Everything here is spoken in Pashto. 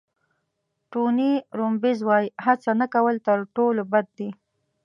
ټوني روبینز وایي هڅه نه کول تر ټولو بد دي.